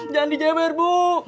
jangan dijeber bu